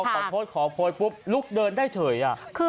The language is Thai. ขอโทษขอโพยปุ๊บลุกเดินได้เฉย